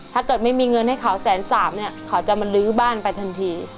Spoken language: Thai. ถ้าเกิดไม่มีเงินให้เขาแสนสามเนี่ยเขาจะมาลื้อบ้านไปทันที